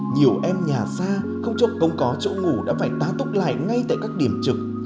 nhiều em nhà xa không chốc công có chỗ ngủ đã phải tá tốc lại ngay tại các điểm trực